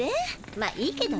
まいいけどね。